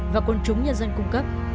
và quân chúng nhân dân cung cấp